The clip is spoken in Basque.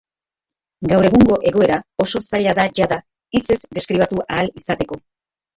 Gaur egungo egoera oso zaila da jada hitzez deskribatu ahal izateko.